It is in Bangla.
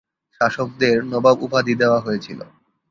শাসকদের 'নবাব' উপাধি দেওয়া হয়েছিল।